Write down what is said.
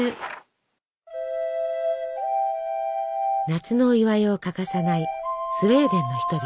夏のお祝いを欠かさないスウェーデンの人々。